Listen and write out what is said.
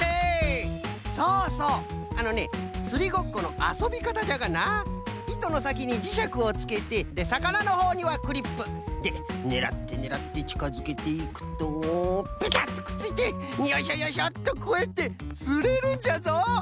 そうそうあのねつりごっこのあそびかたじゃがないとのさきにじしゃくをつけてでさかなのほうにはクリップ。でねらってねらってちかづけていくとピタッとくっついてよいしょよいしょとこうやってつれるんじゃぞ！